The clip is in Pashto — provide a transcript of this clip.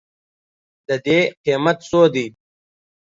د دې قیمت څو دی؟